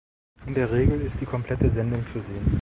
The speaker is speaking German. In der Regel ist die komplette Sendung zu sehen.